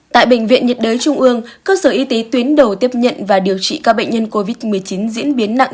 tại bệnh viện nhiệt đới trung ương cơ sở y tế tuyến đầu tiếp nhận và điều trị các bệnh nhân covid một mươi chín diễn biến nặng